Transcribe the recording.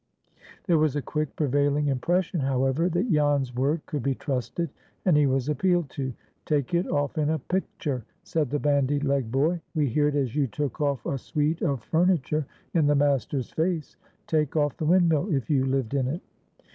There was a quick, prevailing impression, however, that Jan's word could be trusted, and he was appealed to. "Take it off in a picter," said the bandy legged boy. "We heered as you took off a sweet of furnitur in the Master's face. Take off the windmill, if you lived in it."